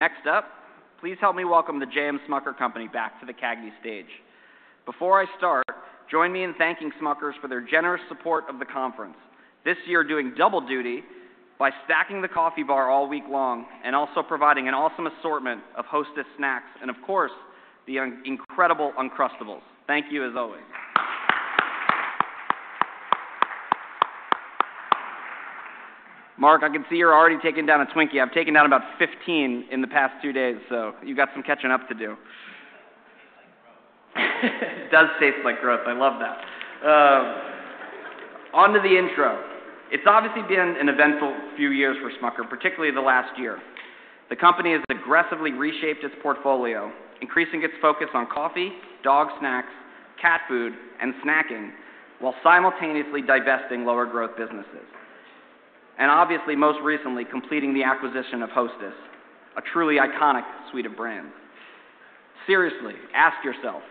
Next up, please help me welcome the J.M. Smucker Company back to the CAGNY stage. Before I start, join me in thanking Smucker's for their generous support of the conference. This year, doing double duty by stacking the coffee bar all week long and also providing an awesome assortment of Hostess snacks and, of course, the incredible Uncrustables. Thank you, as always. Mark, I can see you're already taking down a Twinkie. I've taken down about 15 in the past two days, so you've got some catching up to do. It does taste like growth. I love that. Onto the intro, it's obviously been an eventful few years for Smucker, particularly the last year. The company has aggressively reshaped its portfolio, increasing its focus on coffee, dog snacks, cat food, and snacking, while simultaneously divesting lower growth businesses, and obviously, most recently, completing the acquisition of Hostess, a truly iconic suite of brands. Seriously, ask yourself,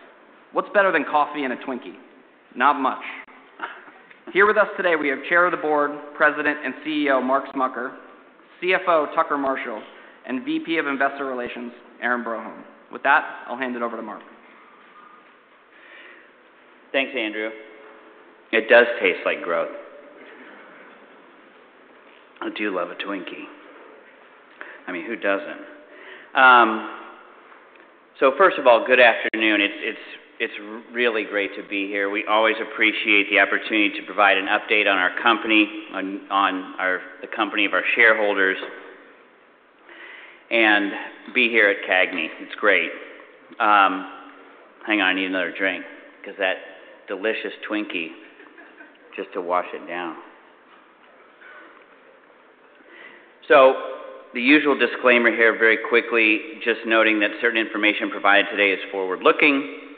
what's better than coffee and a Twinkie? Not much. Here with us today, we have Chair of the Board, President, and CEO Mark Smucker, CFO Tucker Marshall, and VP of Investor Relations Aaron Broholm. With that, I'll hand it over to Mark. Thanks, Andrew. It does taste like growth. I do love a Twinkie. I mean, who doesn't? So first of all, good afternoon. It's really great to be here. We always appreciate the opportunity to provide an update on our company, the company of our shareholders, and be here at CAGNY. It's great. Hang on, I need another drink because that delicious Twinkie, just to wash it down. So the usual disclaimer here, very quickly, just noting that certain information provided today is forward-looking,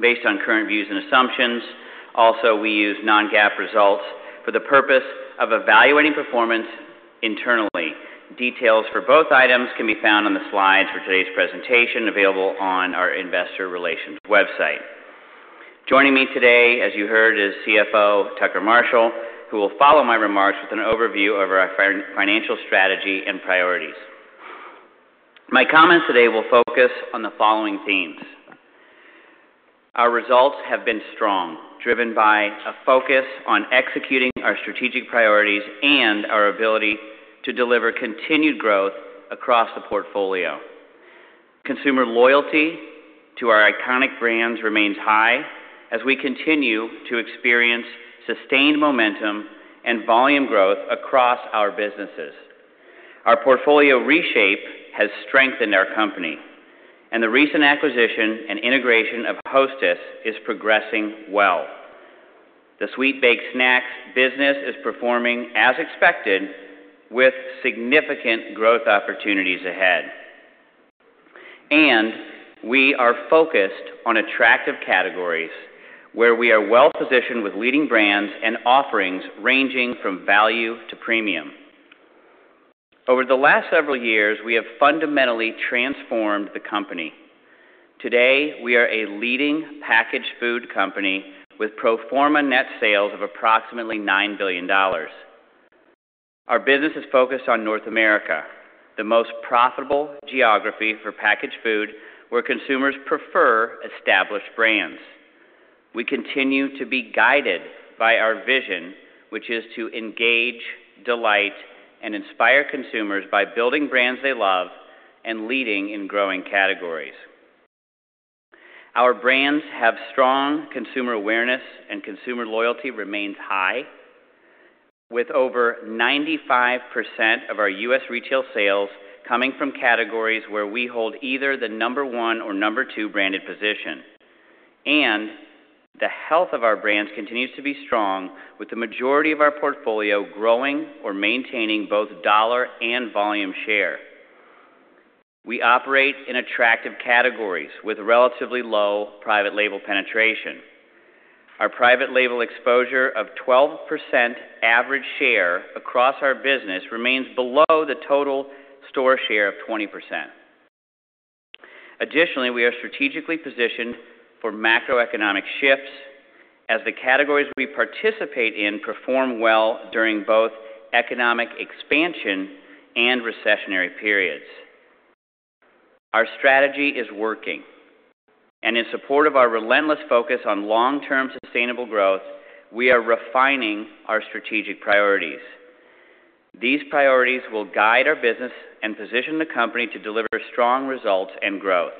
based on current views and assumptions. Also, we use non-GAAP results for the purpose of evaluating performance internally. Details for both items can be found on the slides for today's presentation, available on our investor relations website. Joining me today, as you heard, is CFO Tucker Marshall, who will follow my remarks with an overview of our financial strategy and priorities. My comments today will focus on the following themes: Our results have been strong, driven by a focus on executing our strategic priorities and our ability to deliver continued growth across the portfolio. Consumer loyalty to our iconic brands remains high as we continue to experience sustained momentum and volume growth across our businesses. Our portfolio reshape has strengthened our company, and the recent acquisition and integration of Hostess is progressing well. The Sweet Baked Snacks business is performing as expected, with significant growth opportunities ahead. We are focused on attractive categories where we are well-positioned with leading brands and offerings ranging from value to premium. Over the last several years, we have fundamentally transformed the company. Today, we are a leading packaged food company with pro forma net sales of approximately $9 billion. Our business is focused on North America, the most profitable geography for packaged food, where consumers prefer established brands. We continue to be guided by our vision, which is to engage, delight, and inspire consumers by building brands they love and leading in growing categories. Our brands have strong consumer awareness, and consumer loyalty remains high, with over 95% of our U.S. retail sales coming from categories where we hold either the number one or number two branded position. The health of our brands continues to be strong, with the majority of our portfolio growing or maintaining both dollar and volume share. We operate in attractive categories with relatively low private label penetration. Our private label exposure of 12% average share across our business remains below the total store share of 20%. Additionally, we are strategically positioned for macroeconomic shifts as the categories we participate in perform well during both economic expansion and recessionary periods. Our strategy is working, and in support of our relentless focus on long-term, sustainable growth, we are refining our strategic priorities. These priorities will guide our business and position the company to deliver strong results and growth.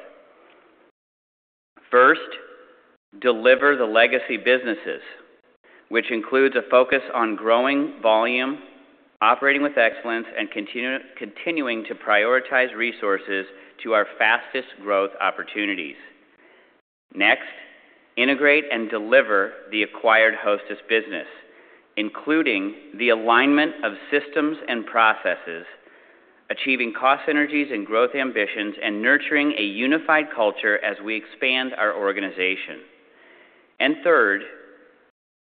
First, deliver the legacy businesses, which includes a focus on growing volume, operating with excellence, and continuing to prioritize resources to our fastest growth opportunities. Next, integrate and deliver the acquired Hostess business, including the alignment of systems and processes, achieving cost synergies and growth ambitions, and nurturing a unified culture as we expand our organization. And third,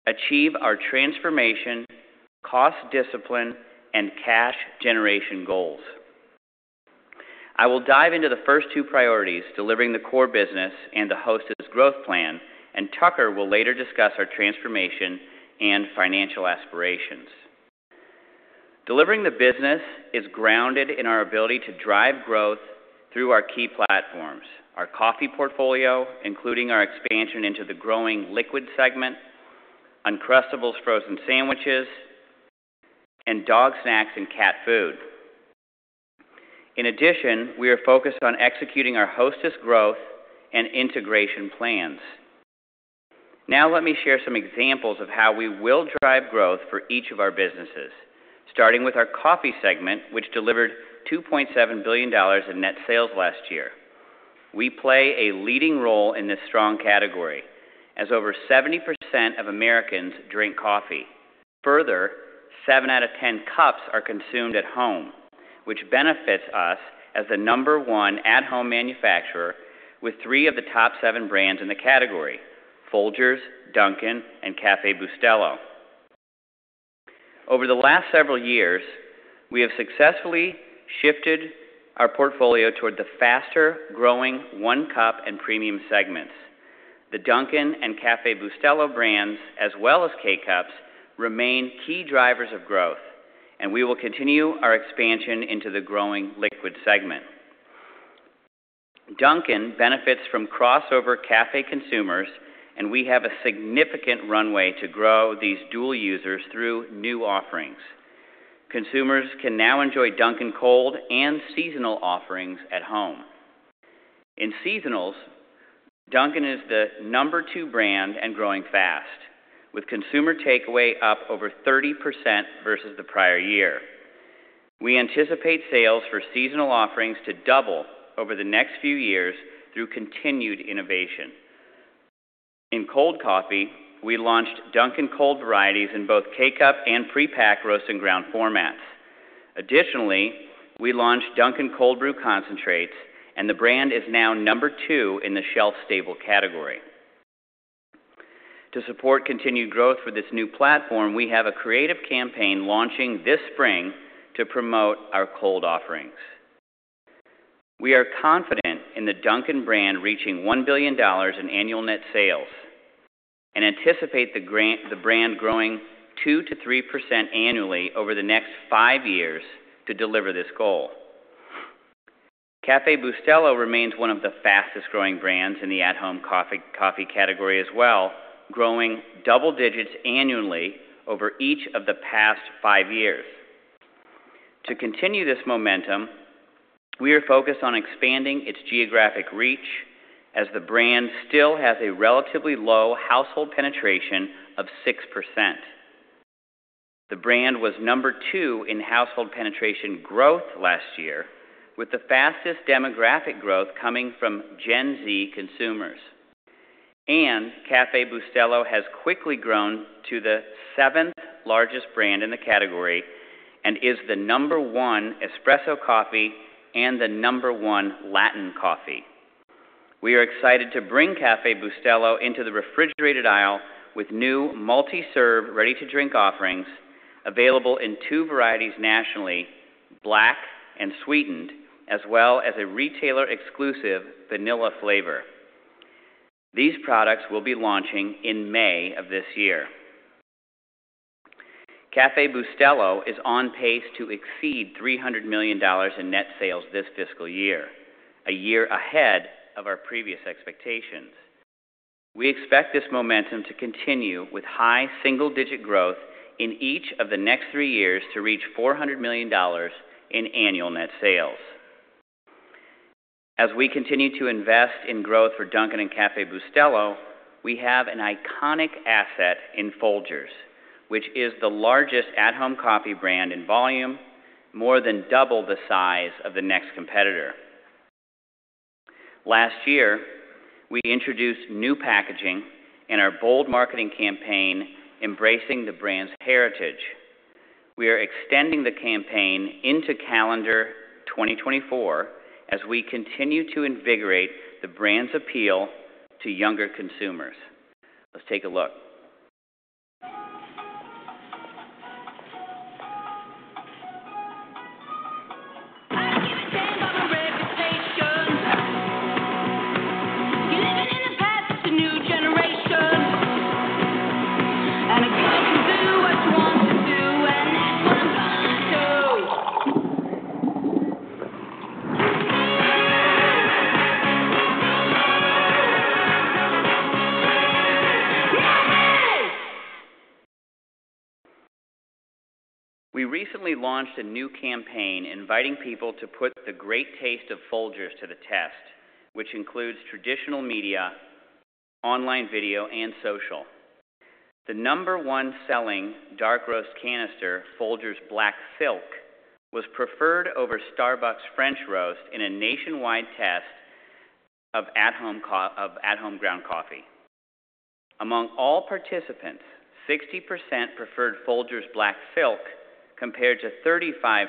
achieve our transformation, cost discipline, and cash generation goals. I will dive into the first two priorities, delivering the core business and the Hostess growth plan, and Tucker will later discuss our transformation and financial aspirations. Delivering the business is grounded in our ability to drive growth through our key platforms, our coffee portfolio, including our expansion into the growing liquid segment, Uncrustables frozen sandwiches, and dog snacks and cat food. In addition, we are focused on executing our Hostess growth and integration plans. Now let me share some examples of how we will drive growth for each of our businesses, starting with our coffee segment, which delivered $2.7 billion in net sales last year. We play a leading role in this strong category, as over 70% of Americans drink coffee. Further, 7 out of 10 cups are consumed at home, which benefits us as the number 1 at-home manufacturer with 3 of the top 7 brands in the category: Folgers, Dunkin', and Café Bustelo. Over the last several years, we have successfully shifted our portfolio toward the faster-growing 1-cup and premium segments. The Dunkin' and Café Bustelo brands, as well as K-Cups, remain key drivers of growth, and we will continue our expansion into the growing liquid segment. Dunkin' benefits from crossover cafe consumers, and we have a significant runway to grow these dual users through new offerings. Consumers can now enjoy Dunkin' cold and seasonal offerings at home. In seasonals, Dunkin' is the number 2 brand and growing fast, with consumer takeaway up over 30% versus the prior year. We anticipate sales for seasonal offerings to double over the next few years through continued innovation. In cold coffee, we launched Dunkin' Cold varieties in both K-Cup and pre-pack roasted ground formats. Additionally, we launched Dunkin' Cold Brew Concentrates, and the brand is now number 2 in the shelf-stable category. To support continued growth for this new platform, we have a creative campaign launching this spring to promote our cold offerings. We are confident in the Dunkin' brand reaching $1 billion in annual net sales and anticipate the brand growing 2%-3% annually over the next five years to deliver this goal. Café Bustelo remains one of the fastest-growing brands in the at-home coffee category as well, growing double digits annually over each of the past five years. To continue this momentum, we are focused on expanding its geographic reach as the brand still has a relatively low household penetration of 6%. The brand was number 2 in household penetration growth last year, with the fastest demographic growth coming from Gen Z consumers and Café Bustelo has quickly grown to the seventh largest brand in the category and is the number one espresso coffee and the number one Latin coffee. We are excited to bring Café Bustelo into the refrigerated aisle with new multi-serve, ready-to-drink offerings available in two varieties nationally, black and sweetened, as well as a retailer-exclusive vanilla flavor. These products will be launching in May of this year. Café Bustelo is on pace to exceed $300,000,000 in net sales this fiscal year, a year ahead of our previous expectations. We expect this momentum to continue with high single-digit growth in each of the next three years to reach $400,000,000 in annual net sales. As we continue to invest in growth for Dunkin' and Café Bustelo, we have an iconic asset in Folgers, which is the largest at-home coffee brand in volume, more than double the size of the next competitor. Last year, we introduced new packaging in our bold marketing campaign, embracing the brand's heritage. We are extending the campaign into calendar 2024 as we continue to invigorate the brand's appeal to younger consumers. Let's take a look. I don't give a damn about my reputation. You're living in the past, it's a new generation. And a girl can do what she wants to do, and that's what I'm gonna do. We recently launched a new campaign inviting people to put the great taste of Folgers to the test, which includes traditional media, online video, and social. The number one selling dark roast canister, Folgers Black Silk, was preferred over Starbucks French Roast in a nationwide test of at-home ground coffee. Among all participants, 60% preferred Folgers Black Silk, compared to 35%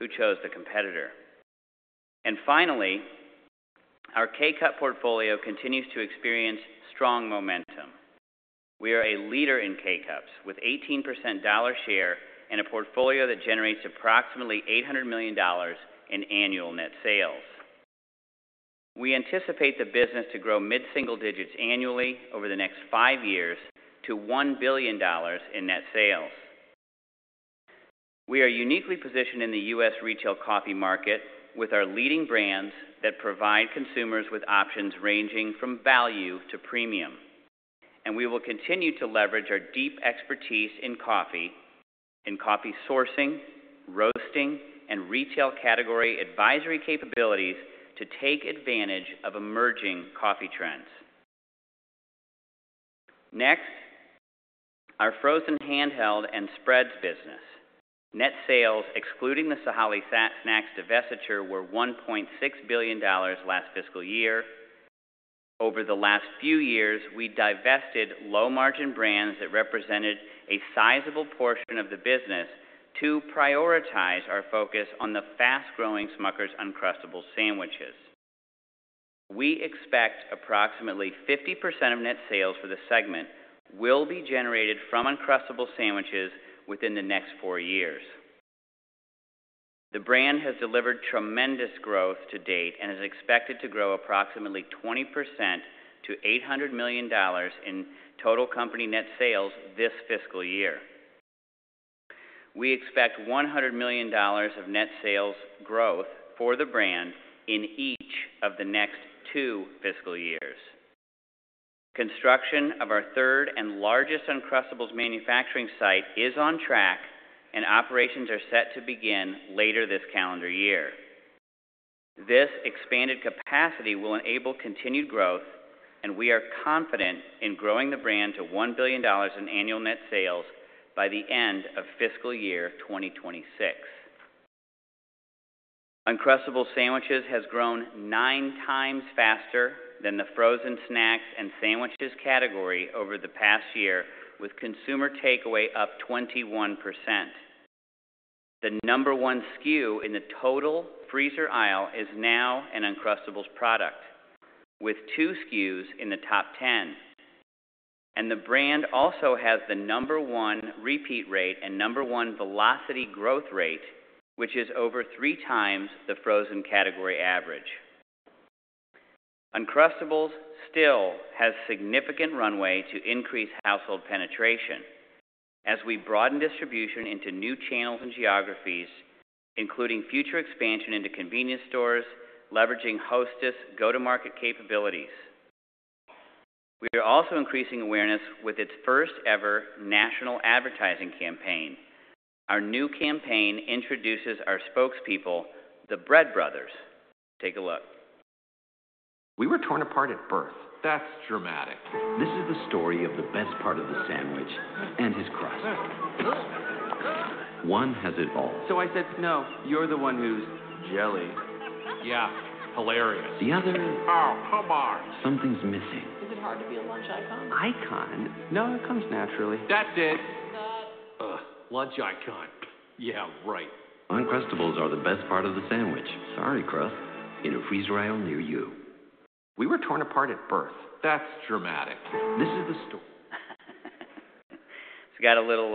who chose the competitor. And finally, our K-Cup portfolio continues to experience strong momentum. We are a leader in K-Cups, with 18% dollar share and a portfolio that generates approximately $800,000,000 in annual net sales. We anticipate the business to grow mid-single digits annually over the next 5 years to $1 billion in net sales. We are uniquely positioned in the U.S. retail coffee market with our leading brands that provide consumers with options ranging from value to premium. We will continue to leverage our deep expertise in coffee, in coffee sourcing, roasting, and retail category advisory capabilities to take advantage of emerging coffee trends. Next, our frozen handheld and spreads business. Net sales, excluding the Sahale Snacks divestiture, were $1.6 billion last fiscal year. Over the last few years, we divested low-margin brands that represented a sizable portion of the business to prioritize our focus on the fast-growing Smucker's Uncrustables sandwiches. We expect approximately 50% of net sales for the segment will be generated from Uncrustables sandwiches within the next four years. The brand has delivered tremendous growth to date and is expected to grow approximately 20% to $800,000,000 in total company net sales this fiscal year. We expect $100,000,000 of net sales growth for the brand in each of the next two fiscal years. Construction of our third and largest Uncrustables manufacturing site is on track, and operations are set to begin later this calendar year. This expanded capacity will enable continued growth, and we are confident in growing the brand to $1 billion in annual net sales by the end of fiscal year 2026. Uncrustables sandwiches has grown 9 times faster than the frozen snacks and sandwiches category over the past year, with consumer takeaway up 21%. The number one SKU in the total freezer aisle is now an Uncrustables product, with 2 SKUs in the top 10. The brand also has the number one repeat rate and number one velocity growth rate, which is over 3 times the frozen category average. Uncrustables still has significant runway to increase household penetration as we broaden distribution into new channels and geographies, including future expansion into convenience stores, leveraging Hostess go-to-market capabilities. We are also increasing awareness with its first-ever national advertising campaign. Our new campaign introduces our spokespeople, the Bread Brothers. Take a look. We were torn apart at birth. That's dramatic. This is the story of the best part of the sandwich and his crust. One has it all. So I said, "No, you're the one who's jelly." Yeah, hilarious. The other- Oh, come on! Something's missing. Is it hard to be a lunch icon? Icon? No, it comes naturally. That's it! Cut. Ugh, lunch icon. Yeah, right. Uncrustables are the best part of the sandwich. Sorry, crust. In a freezer aisle near you. We were torn apart at birth. That's dramatic. This is the story. It's got a little,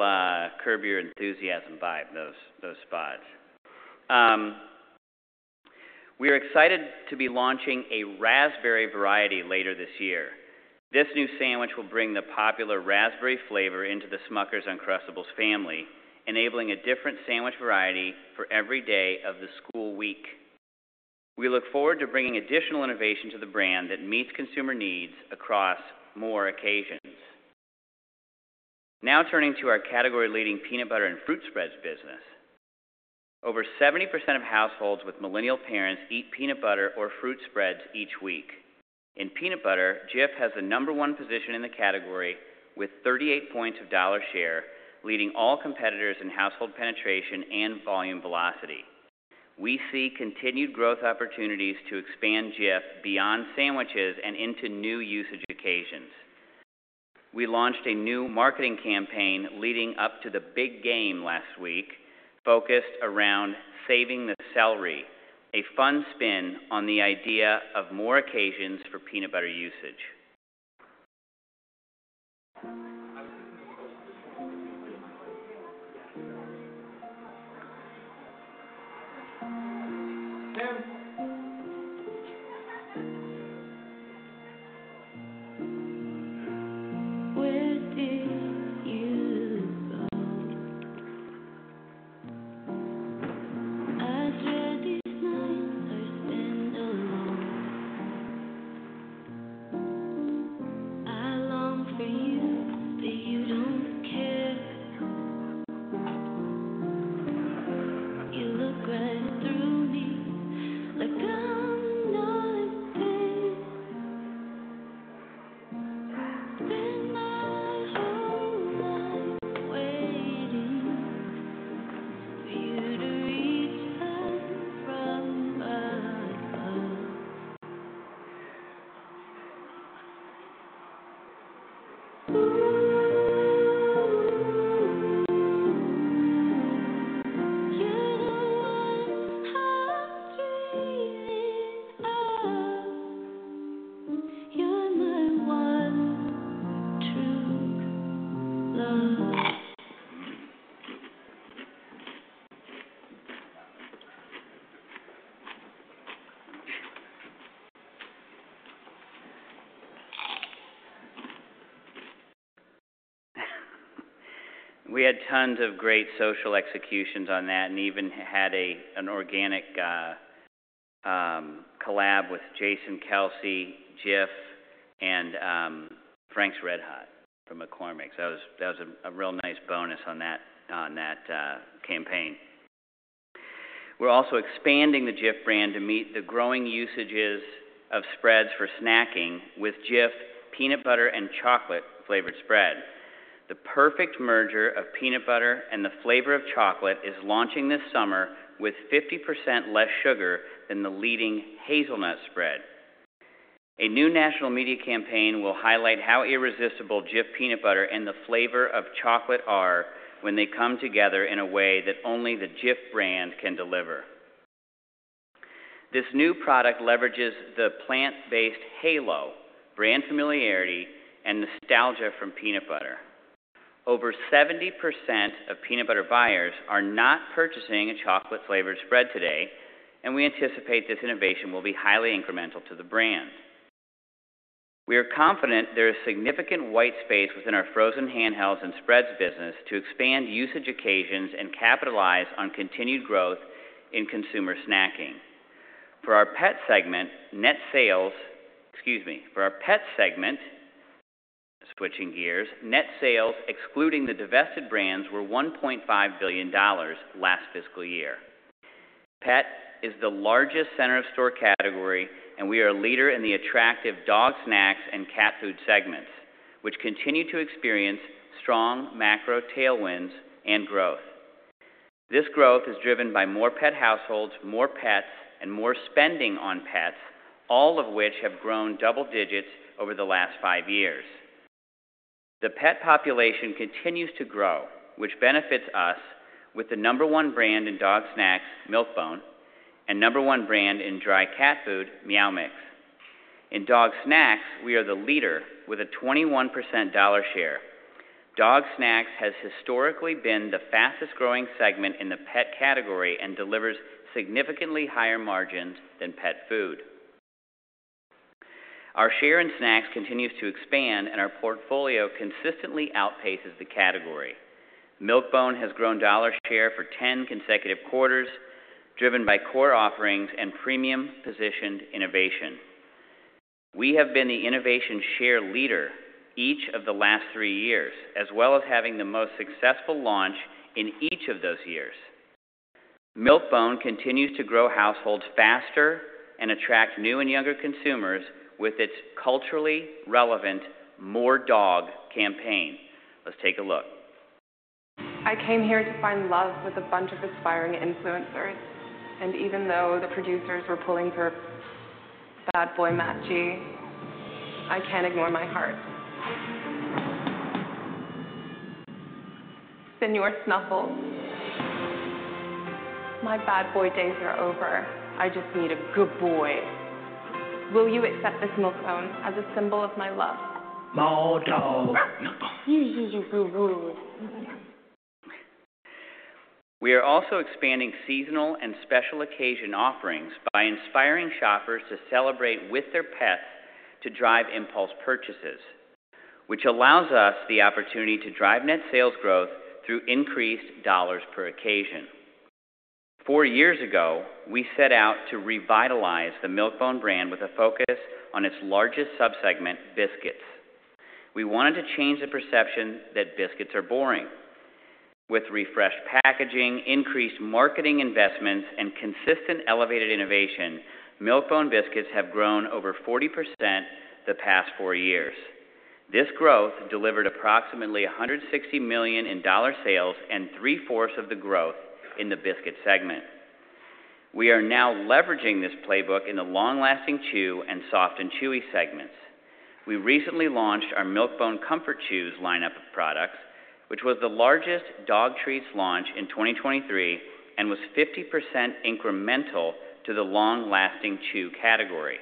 'Curb Your Enthusiasm' vibe, those, those spots. We are excited to be launching a raspberry variety later this year. This new sandwich will bring the popular raspberry flavor into the Smucker's Uncrustables family, enabling a different sandwich variety for every day of the school week. We look forward to bringing additional innovation to the brand that meets consumer needs across more occasions. Now turning to our category-leading peanut butter and fruit spreads business. Over 70% of households with millennial parents eat peanut butter or fruit spreads each week. In peanut butter, Jif has the number one position in the category with 38 points of dollar share, leading all competitors in household penetration and volume velocity. We see continued growth opportunities to expand Jif beyond sandwiches and into new usage occasions. We launched a new marketing campaign leading up to the big game last week, focused around saving the celery, a fun spin on the idea of more occasions for peanut butter usage. We had tons of great social executions on that and even had an organic collab with Jason Kelce, Jif, and Frank's RedHot from McCormick. So that was a real nice bonus on that campaign. We're also expanding the Jif brand to meet the growing usages of spreads for snacking with Jif Peanut Butter and Chocolate Flavored Spread. The perfect merger of peanut butter and the flavor of chocolate is launching this summer with 50% less sugar than the leading hazelnut spread. A new national media campaign will highlight how irresistible Jif peanut butter and the flavor of chocolate are when they come together in a way that only the Jif brand can deliver. This new product leverages the plant-based halo, brand familiarity, and nostalgia from peanut butter. Over 70% of peanut butter buyers are not purchasing a chocolate-flavored spread today, and we anticipate this innovation will be highly incremental to the brand. We are confident there is significant white space within our frozen handhelds and spreads business to expand usage occasions and capitalize on continued growth in consumer snacking. For our pet segment, excuse me, switching gears, net sales, excluding the divested brands, were $1.5 billion last fiscal year. Pet is the largest center-of-store category, and we are a leader in the attractive dog snacks and cat food segments, which continue to experience strong macro tailwinds and growth. This growth is driven by more pet households, more pets, and more spending on pets, all of which have grown double digits over the last five years. The pet population continues to grow, which benefits us with the number one brand in dog snacks, Milk-Bone, and number one brand in dry cat food, Meow Mix. In dog snacks, we are the leader with a 21% dollar share. Dog snacks has historically been the fastest-growing segment in the pet category and delivers significantly higher margins than pet food. Our share in snacks continues to expand, and our portfolio consistently outpaces the category. Milk-Bone has grown dollar share for 10 consecutive quarters, driven by core offerings and premium-positioned innovation. We have been the innovation share leader each of the last 3 years, as well as having the most successful launch in each of those years. Milk-Bone continues to grow households faster and attract new and younger consumers with its culturally relevant More Dog campaign. Let's take a look. I came here to find love with a bunch of aspiring influencers, and even though the producers were pulling for Bad Boy Matt G, I can't ignore my heart. Señor Snuffles, my bad boy days are over. I just need a good boy. Will you accept this Milk-Bone as a symbol of my love? More dog! Milk-Bone. Woo, woo, woo, woo, woo. We are also expanding seasonal and special occasion offerings by inspiring shoppers to celebrate with their pets to drive impulse purchases, which allows us the opportunity to drive net sales growth through increased dollars per occasion. Four years ago, we set out to revitalize the Milk-Bone brand with a focus on its largest subsegment, biscuits. We wanted to change the perception that biscuits are boring. With refreshed packaging, increased marketing investments, and consistent elevated innovation, Milk-Bone biscuits have grown over 40% the past four years. This growth delivered approximately $160,000,000 in dollar sales and three-fourths of the growth in the biscuit segment. We are now leveraging this playbook in the long-lasting chew and soft and chewy segments. We recently launched our Milk-Bone Comfort Chews lineup of products, which was the largest dog treats launch in 2023 and was 50% incremental to the long-lasting chew category.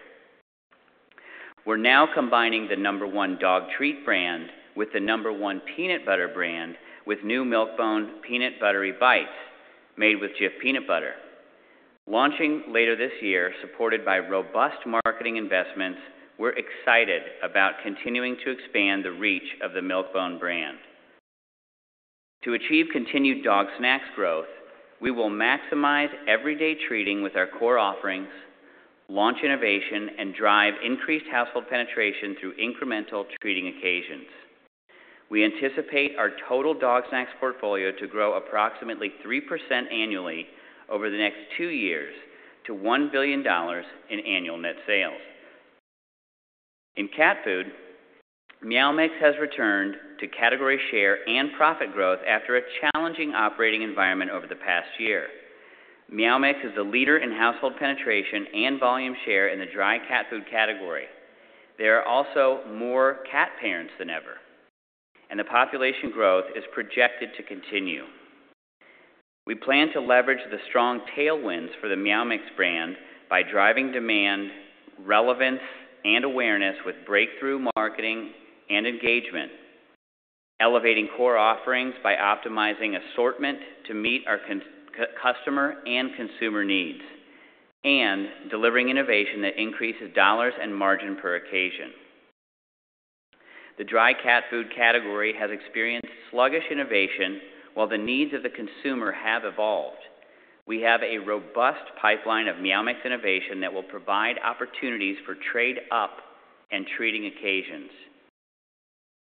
We're now combining the number one dog treat brand with the number one peanut butter brand with new Milk-Bone Peanut Buttery Bites made with Jif Peanut Butter. Launching later this year, supported by robust marketing investments, we're excited about continuing to expand the reach of the Milk-Bone brand. To achieve continued dog snacks growth, we will maximize everyday treating with our core offerings, launch innovation, and drive increased household penetration through incremental treating occasions. We anticipate our total dog snacks portfolio to grow approximately 3% annually over the next 2 years to $1 billion in annual net sales. In cat food, Meow Mix has returned to category share and profit growth after a challenging operating environment over the past year. Meow Mix is the leader in household penetration and volume share in the dry cat food category. There are also more cat parents than ever, and the population growth is projected to continue. We plan to leverage the strong tailwinds for the Meow Mix brand by driving demand, relevance, and awareness with breakthrough marketing and engagement, elevating core offerings by optimizing assortment to meet our customer and consumer needs, and delivering innovation that increases dollars and margin per occasion. The dry cat food category has experienced sluggish innovation, while the needs of the consumer have evolved. We have a robust pipeline of Meow Mix innovation that will provide opportunities for trade up and treating occasions.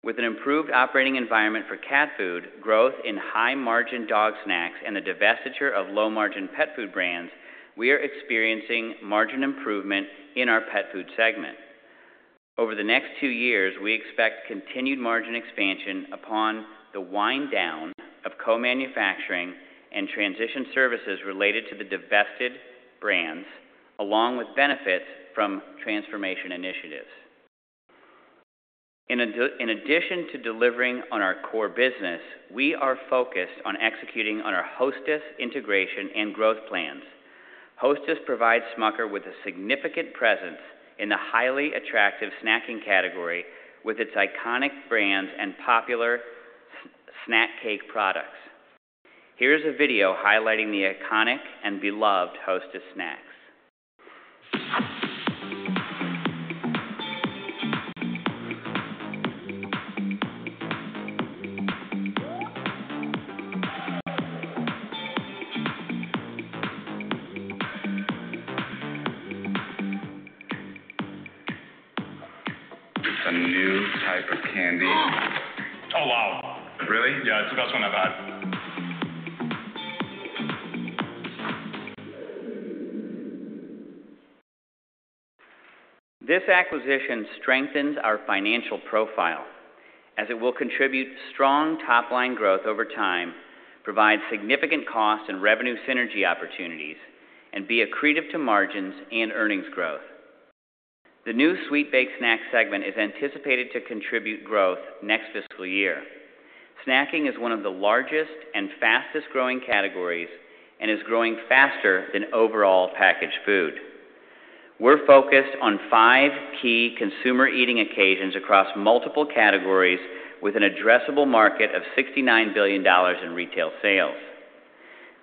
With an improved operating environment for cat food, growth in high-margin dog snacks, and the divestiture of low-margin pet food brands, we are experiencing margin improvement in our pet food segment. Over the next two years, we expect continued margin expansion upon the wind down of co-manufacturing and transition services related to the divested brands, along with benefits from transformation initiatives. In addition to delivering on our core business, we are focused on executing on our Hostess integration and growth plans. Hostess provides Smucker's with a significant presence in the highly attractive snacking category, with its iconic brands and popular snack cake products. Here's a video highlighting the iconic and beloved Hostess snacks. It's a new type of candy. Oh, wow! Really? Yeah, it's the best one I've had. This acquisition strengthens our financial profile as it will contribute strong top-line growth over time, provide significant cost and revenue synergy opportunities, and be accretive to margins and earnings growth. The new sweet baked snack segment is anticipated to contribute growth next fiscal year. Snacking is one of the largest and fastest-growing categories and is growing faster than overall packaged food. We're focused on five key consumer eating occasions across multiple categories, with an addressable market of $69 billion in retail sales.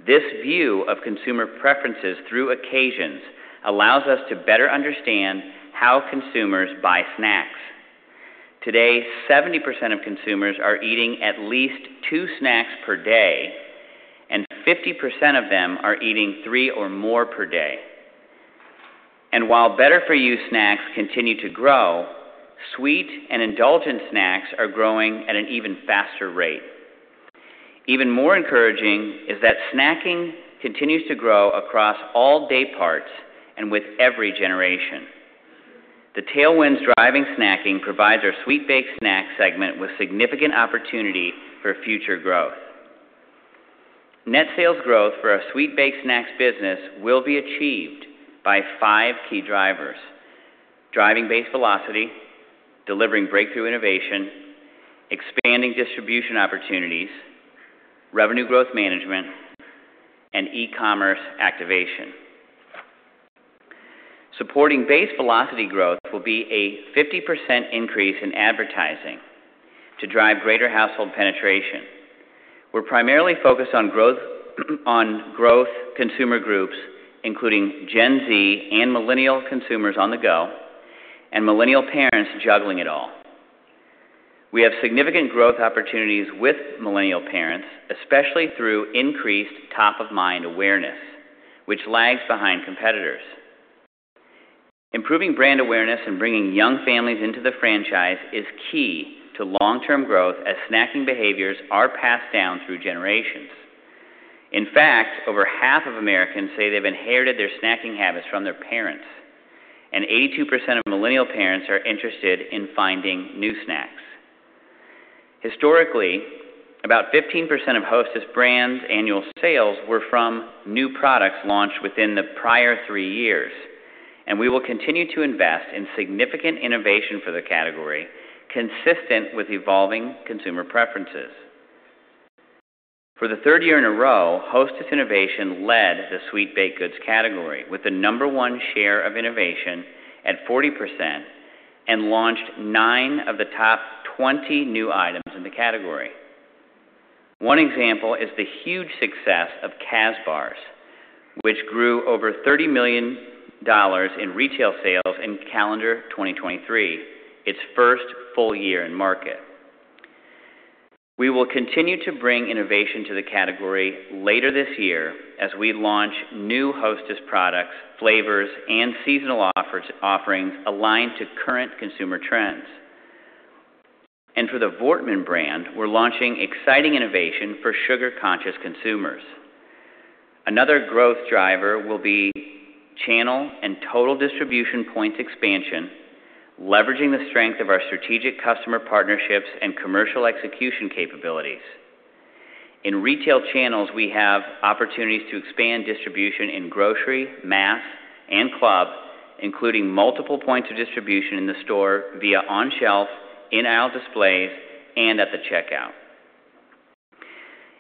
This view of consumer preferences through occasions allows us to better understand how consumers buy snacks. Today, 70% of consumers are eating at least two snacks per day, and 50% of them are eating three or more per day. While better-for-you snacks continue to grow, sweet and indulgent snacks are growing at an even faster rate. Even more encouraging is that snacking continues to grow across all day parts and with every generation. The tailwinds driving snacking provides our sweet baked snack segment with significant opportunity for future growth. Net sales growth for our Sweet Baked Snacks business will be achieved by five key drivers: driving base velocity, delivering breakthrough innovation, expanding distribution opportunities, revenue growth management, and e-commerce activation. Supporting base velocity growth will be a 50% increase in advertising to drive greater household penetration. We're primarily focused on growth, on growth consumer groups, including Gen Z and millennial consumers on the go, and millennial parents juggling it all. We have significant growth opportunities with millennial parents, especially through increased top-of-mind awareness, which lags behind competitors. Improving brand awareness and bringing young families into the franchise is key to long-term growth, as snacking behaviors are passed down through generations. In fact, over half of Americans say they've inherited their snacking habits from their parents, and 82% of millennial parents are interested in finding new snacks. Historically, about 15% of Hostess Brands' annual sales were from new products launched within the prior three years, and we will continue to invest in significant innovation for the category, consistent with evolving consumer preferences. For the third year in a row, Hostess innovation led the sweet baked goods category, with the number one share of innovation at 40% and launched nine of the top 20 new items in the category. One example is the huge success of Kazbars, which grew over $30,000,000 in retail sales in calendar 2023, its first full year in market. We will continue to bring innovation to the category later this year as we launch new Hostess products, flavors, and seasonal offerings aligned to current consumer trends. For the Voortman brand, we're launching exciting innovation for sugar-conscious consumers. Another growth driver will be channel and total distribution points expansion, leveraging the strength of our strategic customer partnerships and commercial execution capabilities. In retail channels, we have opportunities to expand distribution in grocery, mass, and club, including multiple points of distribution in the store via on-shelf, in-aisle displays, and at the checkout.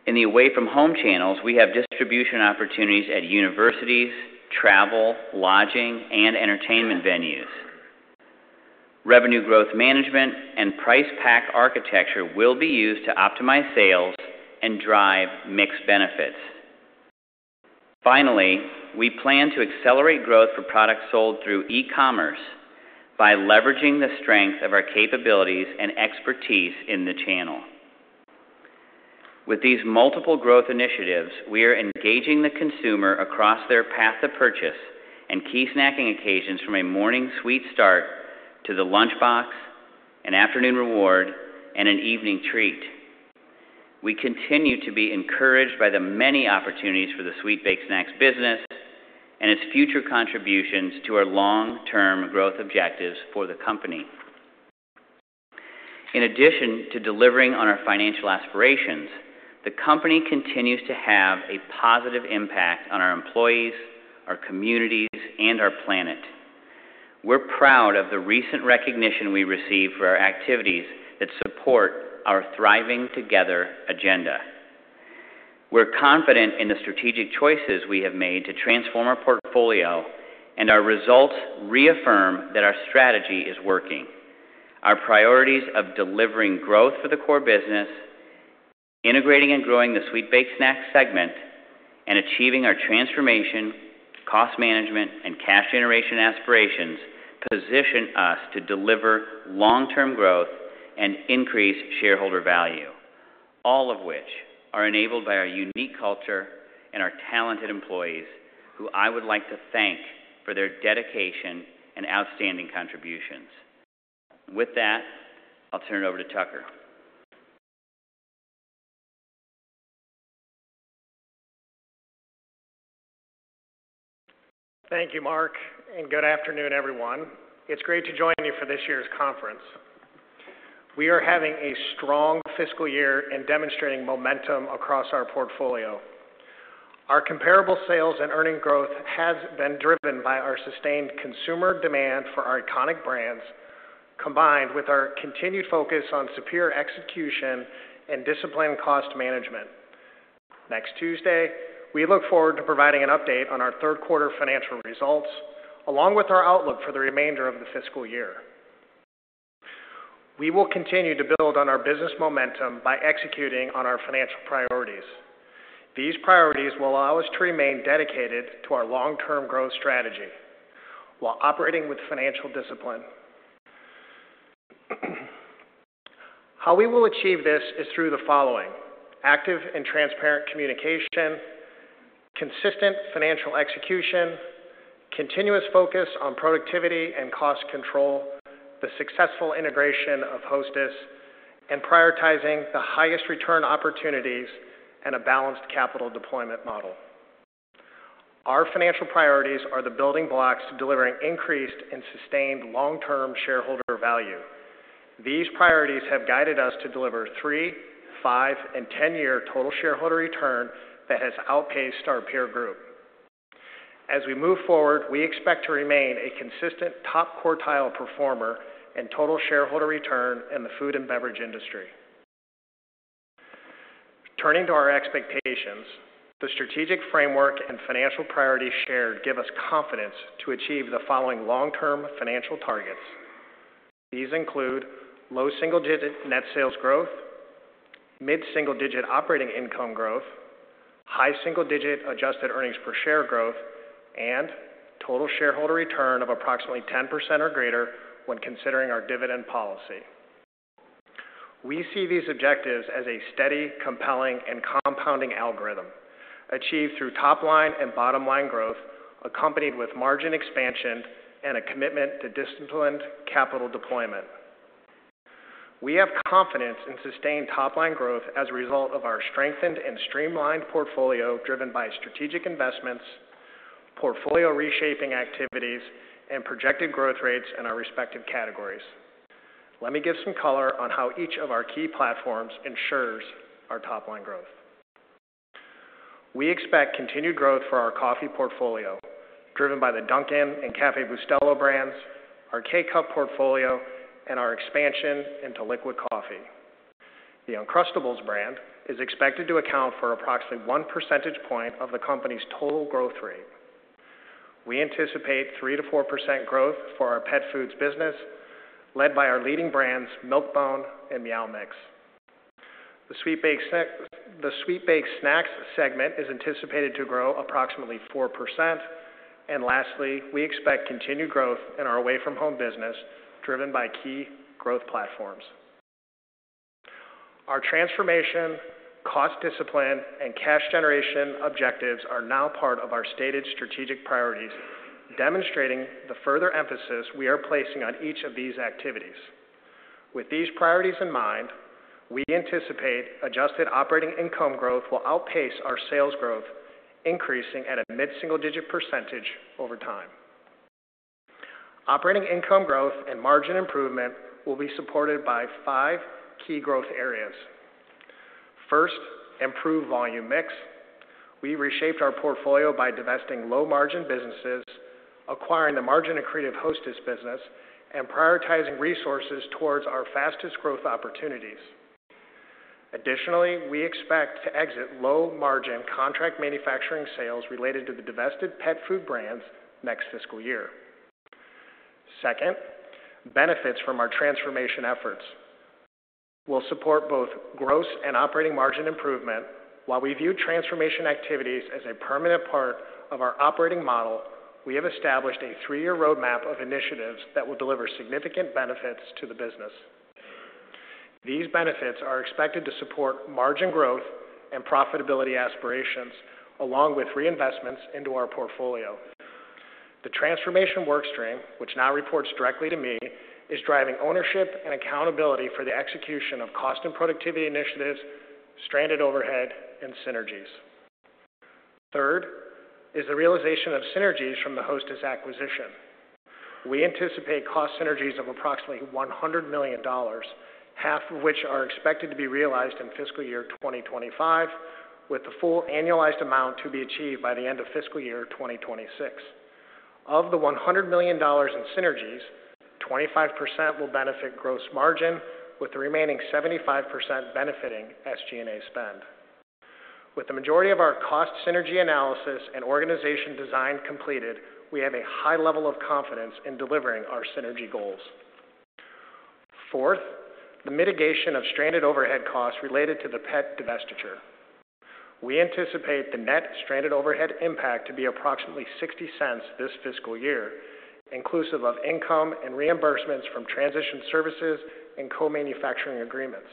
In the away-from-home channels, we have distribution opportunities at universities, travel, lodging, and entertainment venues. Revenue Growth Management and Price Pack Architecture will be used to optimize sales and drive mixed benefits. Finally, we plan to accelerate growth for products sold through e-commerce by leveraging the strength of our capabilities and expertise in the channel. With these multiple growth initiatives, we are engaging the consumer across their path to purchase and key snacking occasions from a morning sweet start to the lunchbox, an afternoon reward, and an evening treat. We continue to be encouraged by the many opportunities for the Sweet Baked Snacks business and its future contributions to our long-term growth objectives for the company. In addition to delivering on our financial aspirations, the company continues to have a positive impact on our employees, our communities, and our planet. We're proud of the recent recognition we received for our activities that support our Thriving Together agenda. We're confident in the strategic choices we have made to transform our portfolio, and our results reaffirm that our strategy is working. Our priorities of delivering growth for the core business, integrating and growing the Sweet Baked Snack segment, and achieving our transformation, cost management, and cash generation aspirations position us to deliver long-term growth and increase shareholder value, all of which are enabled by our unique culture and our talented employees, who I would like to thank for their dedication and outstanding contributions. With that, I'll turn it over to Tucker. Thank you, Mark, and good afternoon, everyone. It's great to join you for this year's conference. We are having a strong fiscal year and demonstrating momentum across our portfolio. Our comparable sales and earnings growth has been driven by our sustained consumer demand for our iconic brands, combined with our continued focus on superior execution and disciplined cost management. Next Tuesday, we look forward to providing an update on our third quarter financial results, along with our outlook for the remainder of the fiscal year. We will continue to build on our business momentum by executing on our financial priorities. These priorities will allow us to remain dedicated to our long-term growth strategy while operating with financial discipline. How we will achieve this is through the following: active and transparent communication, consistent financial execution, continuous focus on productivity and cost control, the successful integration of Hostess, and prioritizing the highest return opportunities and a balanced capital deployment model. Our financial priorities are the building blocks to delivering increased and sustained long-term shareholder value. These priorities have guided us to deliver three-, five-, and 10-year total shareholder return that has outpaced our peer group. As we move forward, we expect to remain a consistent top-quartile performer in total shareholder return in the food and beverage industry. Turning to our expectations, the strategic framework and financial priorities shared give us confidence to achieve the following long-term financial targets. These include low single-digit net sales growth, mid-single-digit operating income growth, high single-digit adjusted earnings per share growth, and total shareholder return of approximately 10% or greater when considering our dividend policy. We see these objectives as a steady, compelling, and compounding algorithm achieved through top-line and bottom-line growth, accompanied with margin expansion and a commitment to disciplined capital deployment. We have confidence in sustained top-line growth as a result of our strengthened and streamlined portfolio, driven by strategic investments, portfolio reshaping activities, and projected growth rates in our respective categories. Let me give some color on how each of our key platforms ensures our top-line growth. We expect continued growth for our coffee portfolio, driven by the Dunkin' and Café Bustelo brands, our K-Cup portfolio, and our expansion into liquid coffee. The Uncrustables brand is expected to account for approximately 1 percentage point of the company's total growth rate. We anticipate 3%-4% growth for our pet foods business, led by our leading brands, Milk-Bone and Meow Mix. The Sweet Baked Snacks segment is anticipated to grow approximately 4%. And lastly, we expect continued growth in our away-from-home business, driven by key growth platforms. Our transformation, cost discipline, and cash generation objectives are now part of our stated strategic priorities, demonstrating the further emphasis we are placing on each of these activities. With these priorities in mind, we anticipate adjusted operating income growth will outpace our sales growth, increasing at a mid-single digit percentage over time. Operating income growth and margin improvement will be supported by five key growth areas. First, improved volume mix. We reshaped our portfolio by divesting low-margin businesses, acquiring the margin-accretive Hostess business, and prioritizing resources toward our fastest growth opportunities. Additionally, we expect to exit low-margin contract manufacturing sales related to the divested pet food brands next fiscal year. Second, benefits from our transformation efforts will support both gross and operating margin improvement. While we view transformation activities as a permanent part of our operating model, we have established a three-year roadmap of initiatives that will deliver significant benefits to the business. These benefits are expected to support margin growth and profitability aspirations, along with reinvestments into our portfolio. The transformation work stream, which now reports directly to me, is driving ownership and accountability for the execution of cost and productivity initiatives, stranded overhead, and synergies. Third, is the realization of synergies from the Hostess acquisition. We anticipate cost synergies of approximately $100,000,000, half of which are expected to be realized in fiscal year 2025, with the full annualized amount to be achieved by the end of fiscal year 2026. Of the $100,000,000 in synergies, 25% will benefit gross margin, with the remaining 75% benefiting SG&A spend. With the majority of our cost synergy analysis and organization design completed, we have a high level of confidence in delivering our synergy goals. Fourth, the mitigation of stranded overhead costs related to the pet divestiture. We anticipate the net stranded overhead impact to be approximately $0.60 this fiscal year, inclusive of income and reimbursements from transition services and co-manufacturing agreements.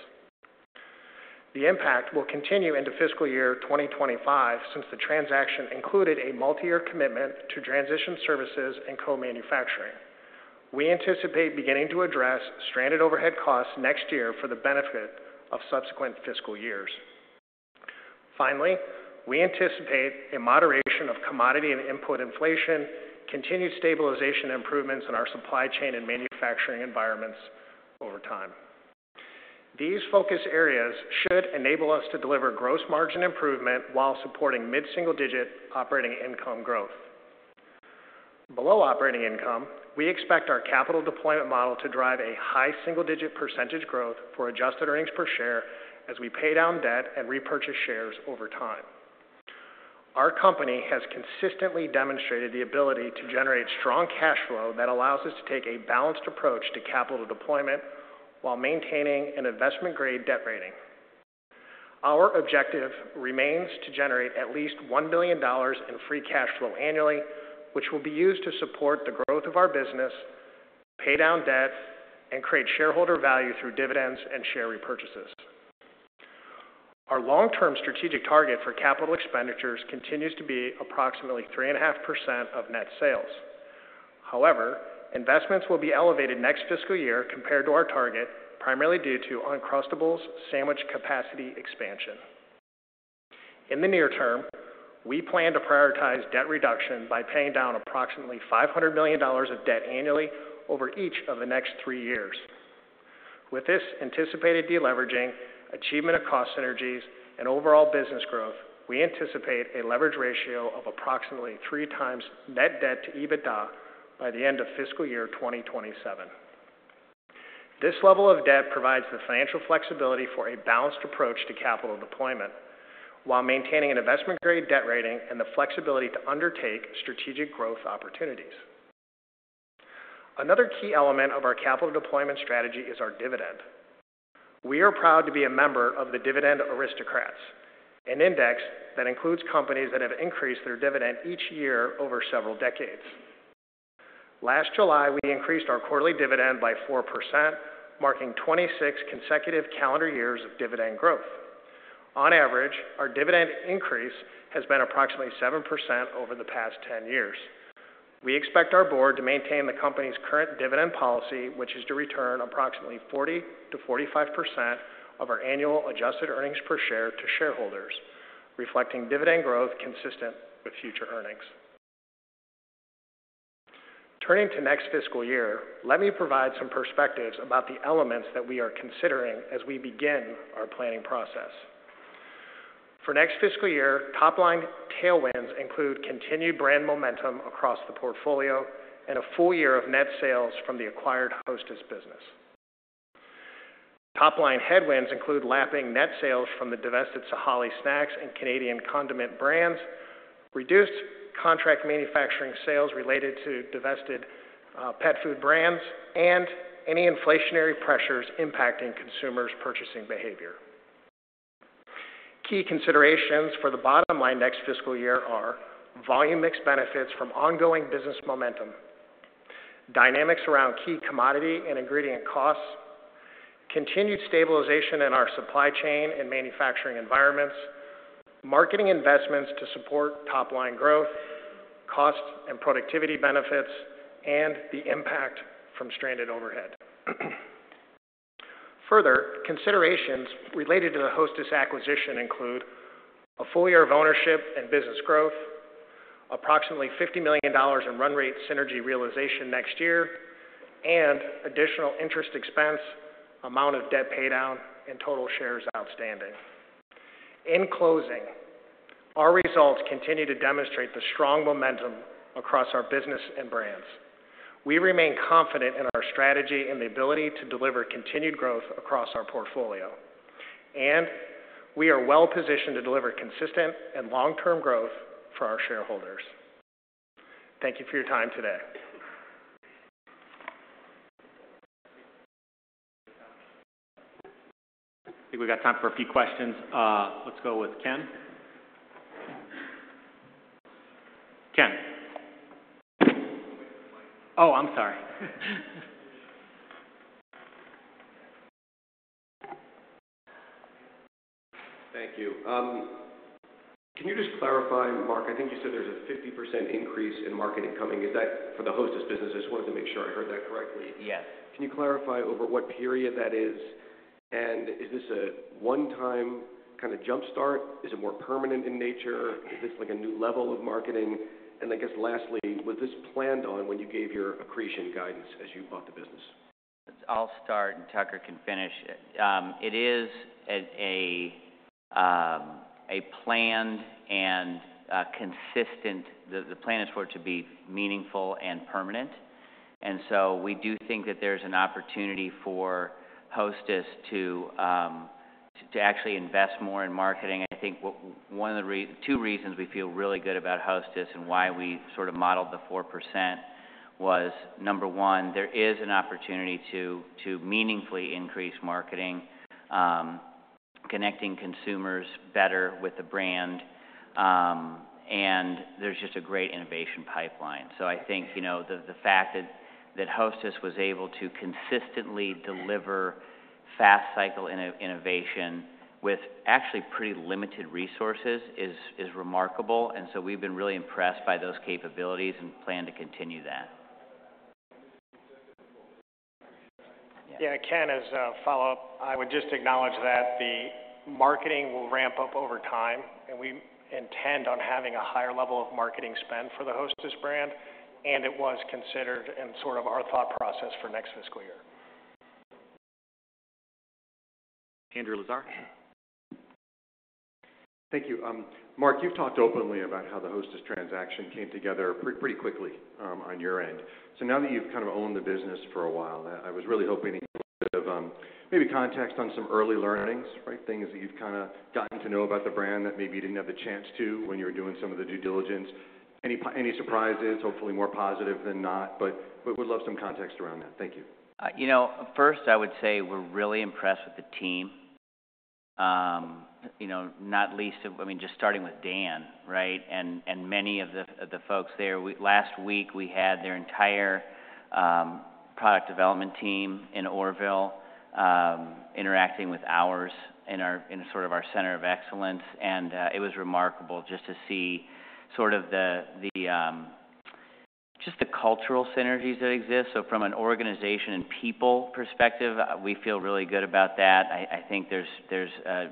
The impact will continue into fiscal year 2025, since the transaction included a multi-year commitment to transition services and co-manufacturing. We anticipate beginning to address stranded overhead costs next year for the benefit of subsequent fiscal years. Finally, we anticipate a moderation of commodity and input inflation, continued stabilization improvements in our supply chain and manufacturing environments over time. These focus areas should enable us to deliver gross margin improvement while supporting mid-single-digit operating income growth. Below operating income, we expect our capital deployment model to drive a high single-digit percentage growth for adjusted earnings per share as we pay down debt and repurchase shares over time. Our company has consistently demonstrated the ability to generate strong cash flow that allows us to take a balanced approach to capital deployment while maintaining an investment-grade debt rating. Our objective remains to generate at least $1 billion in free cash flow annually, which will be used to support the growth of our business, pay down debt, and create shareholder value through dividends and share repurchases. Our long-term strategic target for capital expenditures continues to be approximately 3.5% of net sales. However, investments will be elevated next fiscal year compared to our target, primarily due to Uncrustables sandwich capacity expansion. In the near term, we plan to prioritize debt reduction by paying down approximately $500,000,000 of debt annually over each of the next 3 years. With this anticipated deleveraging, achievement of cost synergies, and overall business growth, we anticipate a leverage ratio of approximately 3x net debt to EBITDA by the end of fiscal year 2027. This level of debt provides the financial flexibility for a balanced approach to capital deployment while maintaining an investment-grade debt rating and the flexibility to undertake strategic growth opportunities. Another key element of our capital deployment strategy is our dividend. We are proud to be a member of the Dividend Aristocrats, an index that includes companies that have increased their dividend each year over several decades. Last July, we increased our quarterly dividend by 4%, marking 26 consecutive calendar years of dividend growth. On average, our dividend increase has been approximately 7% over the past 10 years. We expect our Board to maintain the company's current dividend policy, which is to return approximately 40%-45% of our annual adjusted earnings per share to shareholders, reflecting dividend growth consistent with future earnings. Turning to next fiscal year, let me provide some perspectives about the elements that we are considering as we begin our planning process. For next fiscal year, top-line tailwinds include continued brand momentum across the portfolio and a full year of net sales from the acquired Hostess business. Top-line headwinds include lapping net sales from the divested Sahale Snacks and Canadian condiment brands, reduced contract manufacturing sales related to divested pet food brands, and any inflationary pressures impacting consumers' purchasing behavior. Key considerations for the bottom line next fiscal year are volume mix benefits from ongoing business momentum, dynamics around key commodity and ingredient costs, continued stabilization in our supply chain and manufacturing environments, marketing investments to support top-line growth, cost and productivity benefits, and the impact from stranded overhead. Further, considerations related to the Hostess acquisition include a full year of ownership and business growth, approximately $50,000,000 in run rate synergy realization next year, and additional interest expense, amount of debt pay down, and total shares outstanding. In closing, our results continue to demonstrate the strong momentum across our business and brands. We remain confident in our strategy and the ability to deliver continued growth across our portfolio, and we are well positioned to deliver consistent and long-term growth for our shareholders. Thank you for your time today. I think we've got time for a few questions. Let's go with Ken. Ken? Oh, I'm sorry. Thank you. Can you just clarify, Mark, I think you said there's a 50% increase in marketing coming. Is that for the Hostess business? I just wanted to make sure I heard that correctly. Yes. Can you clarify over what period that is? Is this a one-time kind of jump start? Is it more permanent in nature? Is this like a new level of marketing? I guess, lastly, was this planned on when you gave your accretion guidance as you bought the business? I'll start, and Tucker can finish it. It is a planned and consistent. The plan is for it to be meaningful and permanent. So we do think that there's an opportunity for Hostess to actually invest more in marketing. I think one of the two reasons we feel really good about Hostess and why we sort of modeled the 4% was, number one, there is an opportunity to meaningfully increase marketing, connecting consumers better with the brand, and there's just a great innovation pipeline. So I think, you know, the fact that Hostess was able to consistently deliver fast cycle innovation with actually pretty limited resources is remarkable, and so we've been really impressed by those capabilities and plan to continue that. Yeah, Ken, as a follow-up, I would just acknowledge that the marketing will ramp up over time, and we intend on having a higher level of marketing spend for the Hostess brand, and it was considered in sort of our thought process for next fiscal year. Andrew Lazar. Thank you. Mark, you've talked openly about how the Hostess transaction came together pretty quickly, on your end. So now that you've kind of owned the business for a while, I was really hoping to get a bit of, maybe context on some early learnings, right? Things that you've kinda gotten to know about the brand that maybe you didn't have the chance to when you were doing some of the due diligence. Any surprises? Hopefully, more positive than not, but we would love some context around that. Thank you. You know, first, I would say we're really impressed with the team. You know, not least of I mean, just starting with Dan, right? And many of the folks there. Last week, we had their entire product development team in Orrville, interacting with ours in our, in sort of our center of excellence, and it was remarkable just to see sort of the just the cultural synergies that exist. So from an organization and people perspective, we feel really good about that. I think there's a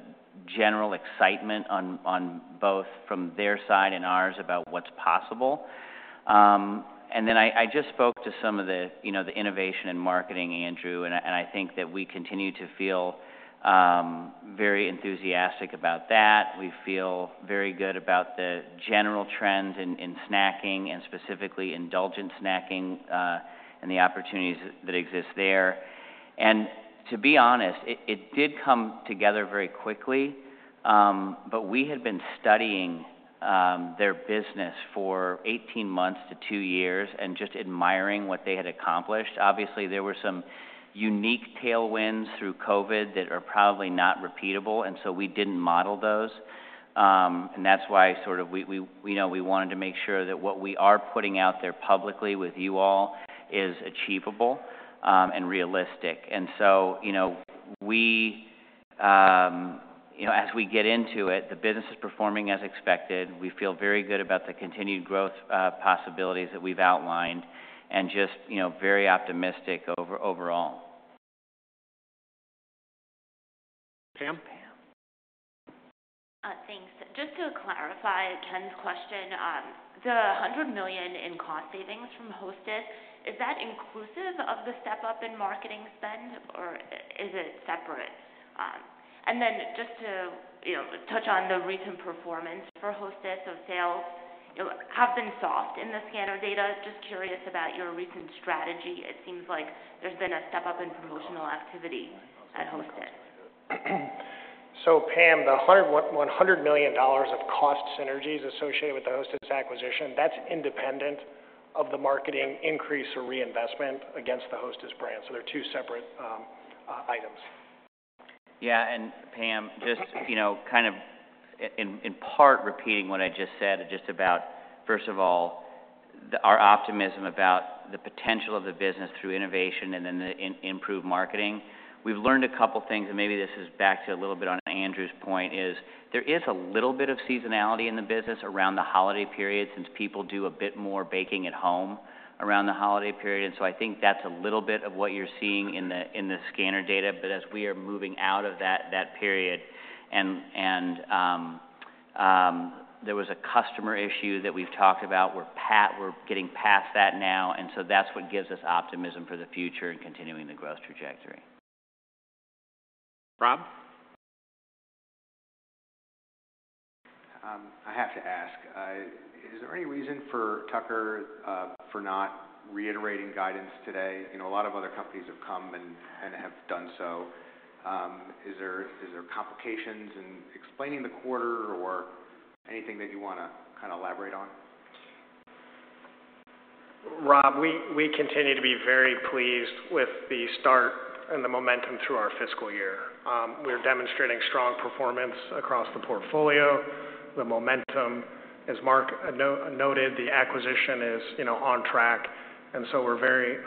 general excitement on both from their side and ours about what's possible. And then I just spoke to some of the, you know, the innovation and marketing, Andrew, and I think that we continue to feel very enthusiastic about that. We feel very good about the general trends in snacking and specifically indulgent snacking, and the opportunities that exist there. And to be honest, it did come together very quickly, but we had been studying their business for 18 months to 2 years and just admiring what they had accomplished. Obviously, there were some unique tailwinds through COVID that are probably not repeatable, and so we didn't model those. And that's why sort of we know we wanted to make sure that what we are putting out there publicly with you all is achievable, and realistic. And so, you know, we, you know, as we get into it, the business is performing as expected. We feel very good about the continued growth possibilities that we've outlined and just, you know, very optimistic overall. Pam. Thanks. Just to clarify Ken's question, the $100,000,000 in cost savings from Hostess, is that inclusive of the step-up in marketing spend, or is it separate? And then just to, you know, touch on the recent performance for Hostess of sales, it would have been soft in the scanner data. Just curious about your recent strategy. It seems like there's been a step up in promotional activity at Hostess. So Pam, the $100,000,000 of cost synergies associated with the Hostess acquisition, that's independent of the marketing increase or reinvestment against the Hostess brand. So they're two separate items. Yeah, and Pam, just, you know, kind of in, in part, repeating what I just said, just about, first of all, our optimism about the potential of the business through innovation and then the improved marketing. We've learned a couple things, and maybe this is back to a little bit on Andrew's point is, there is a little bit of seasonality in the business around the holiday period, since people do a bit more baking at home around the holiday period. And so I think that's a little bit of what you're seeing in the scanner data. But as we are moving out of that period, there was a customer issue that we've talked about, we're getting past that now, and so that's what gives us optimism for the future and continuing the growth trajectory. Rob? I have to ask, is there any reason for Tucker for not reiterating guidance today? You know, a lot of other companies have come and have done so. Is there complications in explaining the quarter or anything that you wanna kind of elaborate on? Rob, we continue to be very pleased with the start and the momentum through our fiscal year. We're demonstrating strong performance across the portfolio. The momentum, as Mark noted, the acquisition is, you know, on track, and so we're very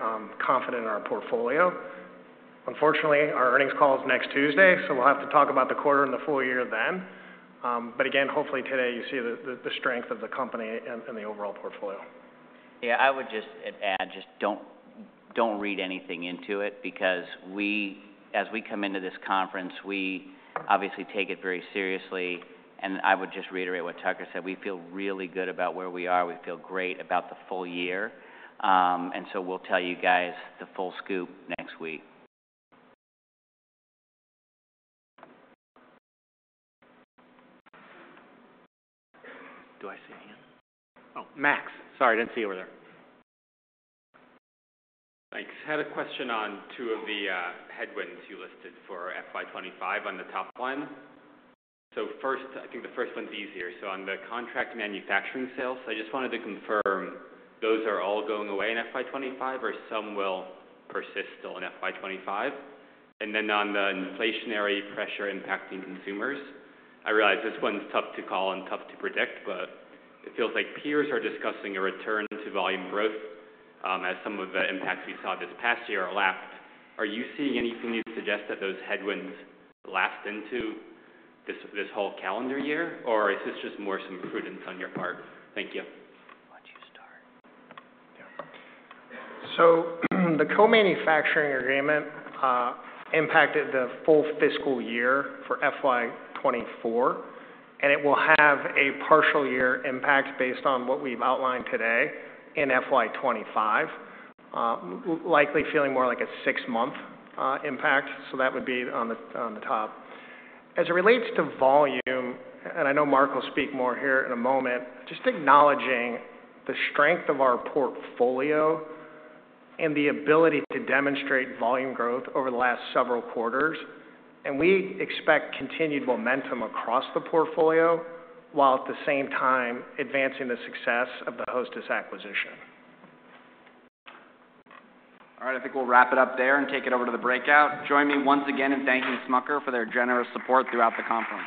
confident in our portfolio. Unfortunately, our earnings call is next Tuesday, so we'll have to talk about the quarter and the full year then. But again, hopefully today you see the strength of the company and the overall portfolio. Yeah, I would just add, just don't, don't read anything into it because we, as we come into this conference, we obviously take it very seriously. And I would just reiterate what Tucker said, we feel really good about where we are. We feel great about the full year. And so we'll tell you guys the full scoop next week. Do I see a hand? Oh, Max. Sorry, I didn't see you over there. Thanks. I had a question on two of the headwinds you listed for FY 25 on the top one. So first, I think the first one's easier. So on the contract manufacturing sales, I just wanted to confirm, those are all going away in FY 25 or some will persist till in FY 25? And then on the inflationary pressure impacting consumers, I realize this one's tough to call and tough to predict, but it feels like peers are discussing a return to volume growth, as some of the impacts we saw this past year are lapsed. Are you seeing anything to suggest that those headwinds last into this, this whole calendar year, or is this just more some prudence on your part? Thank you. Yeah. So the co-manufacturing agreement impacted the full fiscal year for FY 24, and it will have a partial year impact based on what we've outlined today in FY 25. Likely feeling more like a 6-month impact, so that would be on the, on the top. As it relates to volume, and I know Mark will speak more here in a moment, just acknowledging the strength of our portfolio and the ability to demonstrate volume growth over the last several quarters, and we expect continued momentum across the portfolio, while at the same time advancing the success of the Hostess acquisition. All right, I think we'll wrap it up there and take it over to the breakout. Join me once again in thanking Smucker for their generous support throughout the conference.